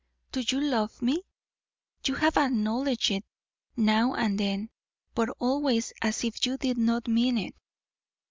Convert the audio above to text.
"Do you love me? You have acknowledged it now and then, but always as if you did not mean it.